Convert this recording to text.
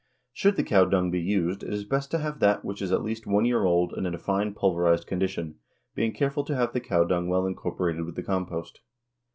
Should the cow dung be used it is best to have that which is at least one year old and in a fine, pulverized condition, being careful to have the cow dung well incorporated with the compost.